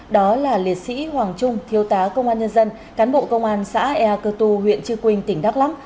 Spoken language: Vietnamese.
đó là liệt sĩ hoàng trung thiếu tá công an nhân dân cán bộ công an xã ea cơ tu huyện trư quynh tỉnh đắk lắc